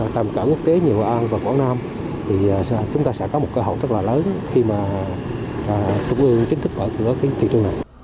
thì chúng ta sẽ có một cơ hội rất là lớn khi mà trung ương chính thức bởi cửa cái thị trường này